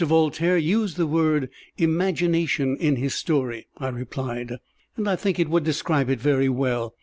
Voltaire used the word 'imagination' in his story," I replied, "and I think it would describe it very well.